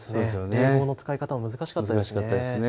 冷房の使い方が難しかったですね。